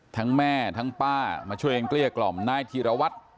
ทั้งแม่ทั้งป้ามาช่วยเกลี้ยกล่อมณจิระวัด